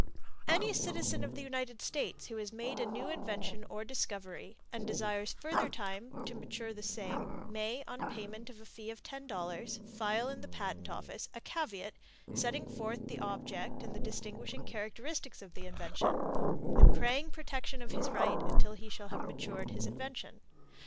Any citizen of the United States who has made a new invention or discovery, and desires further time to mature the same, may, on payment of a fee of $10, file in the Patent Office a caveat setting forth the object and the distinguishing characteristics of the invention, and praying protection of his right until he shall have matured his invention.